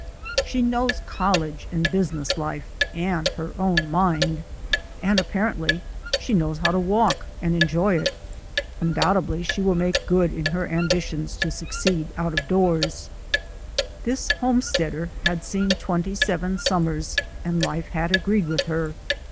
She 259 2 6o THE ADVENTURES OF A NATURE GUIDE knows college and business life and her own mind, and apparently she knows how to walk and enjoy it. Undoubtedly she will make good in her ambi tions to succeed out of doors.'' This homesteader had seen twenty seven sum mers and life had agreed with her.